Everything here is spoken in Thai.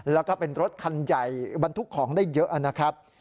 แล้วก็เป็นรถคันใหญ่บรรทุกของได้เยอะนะครับ